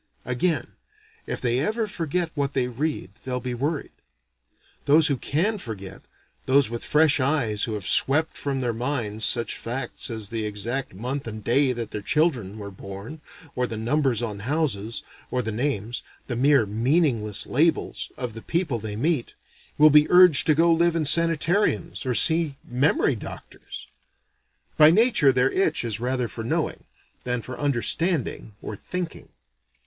Again, if they ever forget what they read, they'll be worried. Those who can forget those with fresh eyes who have swept from their minds such facts as the exact month and day that their children were born, or the numbers on houses, or the names (the mere meaningless labels) of the people they meet, will be urged to go live in sanitariums or see memory doctors! By nature their itch is rather for knowing, than for understanding or thinking.